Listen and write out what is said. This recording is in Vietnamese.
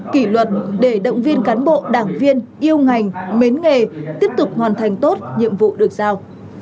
kỷ luật để động viên cán bộ đảng viên yêu ngành mến nghề tiếp tục hoàn thành tốt nhiệm vụ được giao